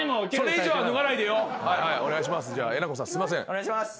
お願いします。